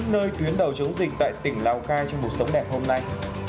nơi tuyến đầu chống dịch tại tỉnh lào cai trong cuộc sống đẹp hôm nay